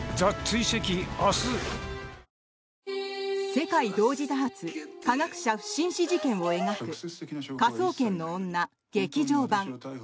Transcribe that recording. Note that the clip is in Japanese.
世界同時多発科学者不審死事件を描く「科捜研の女‐劇場版‐」。